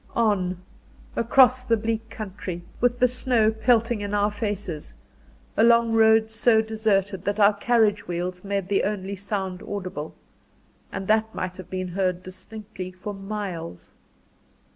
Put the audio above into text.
On, across the bleak country, with the snow pelting in our faces along roads so deserted, that our carriage wheels made the only sound audible, and that might have been heard distinctly for miles.